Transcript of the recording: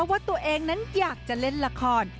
ว่าตัวเองนั้นอยากจะเล่นละคร